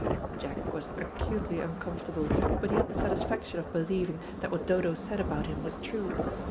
Jack was acutely uncomfortable, but he had the satisfaction of believing that what Dodo said about him was true.